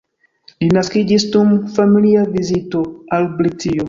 Li naskiĝis dum familia vizito al Britio.